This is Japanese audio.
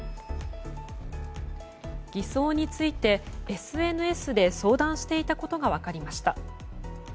偽装についてＳＮＳで相談していたことが分かりました。